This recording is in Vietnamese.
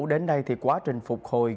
đến đây thì quá trình phục hồi